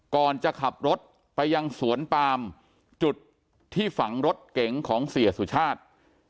ก่อนจะขับรถไปยังสวนปามจุดที่ฝังรถเก๋งของเสียสุชาติ